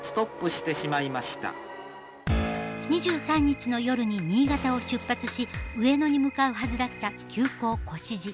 ２３日の夜に新潟を出発し上野に向かうはずだった急行越路。